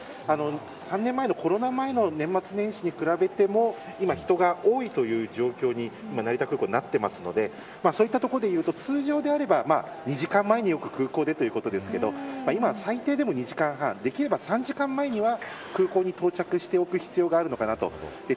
３年前のコロナ前の年末年始に比べても今、人が多いという状況に成田空港はなっているのでそういったところでいうと通常であれば２時間前によく空港でということですけど今は、最低でも２時間半できれば３時間前には、空港に到着しておく必要があるのかなと。